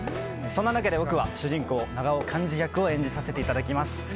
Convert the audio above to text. そんな中で、僕は主人公・永尾完治役を演じさせていただきます。